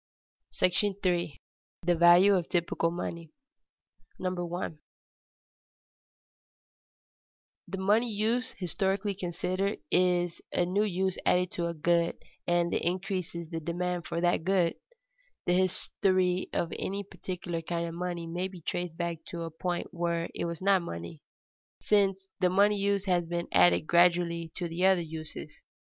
§ III. THE VALUE OF TYPICAL MONEY [Sidenote: The money use is added to other uses] 1. The money use, historically considered, is a new use added to a good, and increases the demand for that good. The history of any particular kind of money may be traced back to a point where it was not money, since which the money use has been added gradually to the other uses.